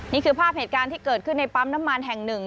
นี่คือภาพเหตุการณ์ที่เกิดขึ้นในปั๊มน้ำมันแห่งหนึ่ง